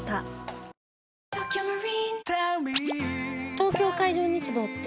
東京海上日動って？